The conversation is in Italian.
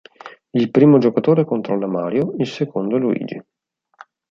Il primo giocatore controlla Mario, il secondo Luigi.